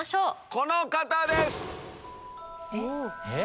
この方です！えっ？